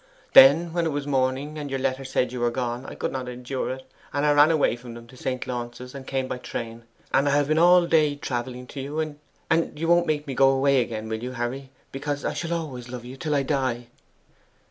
Then when it was morning, and your letter said you were gone, I could not endure it; and I ran away from them to St. Launce's, and came by the train. And I have been all day travelling to you, and you won't make me go away again, will you, Harry, because I shall always love you till I die?